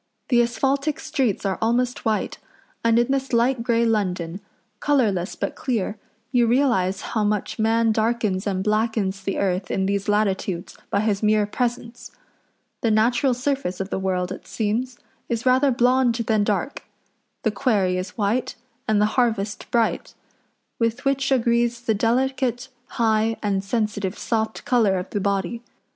The asphaltic streets are almost white, and in this light grey London, colourless but clear, you realise how much man darkens and blackens the earth in these latitudes by his mere presence. The natural surface of the world, it seems, is rather blond than dark; the quarry is white, and the harvest bright; with which agrees the delicate, high, and sensitive soft colour of the body.